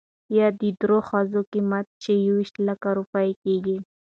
يا د درېو ښځو قيمت، چې يويشت لکه روپۍ کېږي .